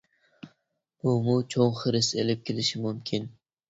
بۇمۇ چوڭ خىرىس ئېلىپ كېلىشى مۇمكىن.